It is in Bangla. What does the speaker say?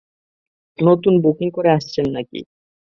নতুন বুকিং করে আসছেন নাকি?